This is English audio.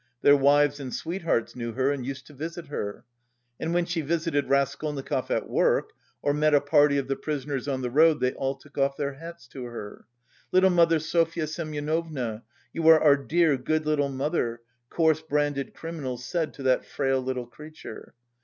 Their wives and sweethearts knew her and used to visit her. And when she visited Raskolnikov at work, or met a party of the prisoners on the road, they all took off their hats to her. "Little mother Sofya Semyonovna, you are our dear, good little mother," coarse branded criminals said to that frail little creature.